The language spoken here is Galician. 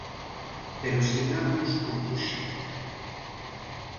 Pero sigamos co proxecto.